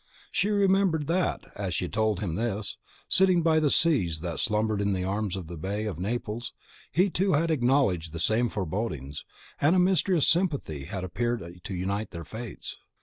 She remembered that, as she had told him this, sitting by the seas that slumbered in the arms of the Bay of Naples, he, too, had acknowledged the same forebodings, and a mysterious sympathy had appeared to unite their fates.